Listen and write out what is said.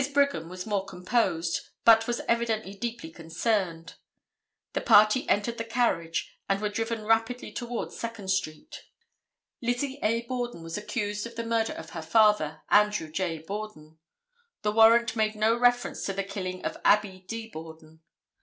Brigham was more composed, but was evidently deeply concerned. The party entered the carriage and were driven rapidly towards Second street. Lizzie A. Borden was accused of the murder of her father, Andrew J. Borden. The warrant made no reference to the killing of Abbie D. Borden.